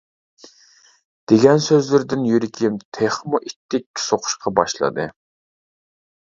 دېگەن سۆزلىرىدىن يۈرىكىم تېخىمۇ ئىتتىك سۇقۇشقا باشلىدى.